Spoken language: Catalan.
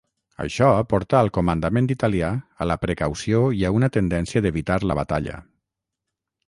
Això portà al comandament italià a la precaució i a una tendència d'evitar la batalla.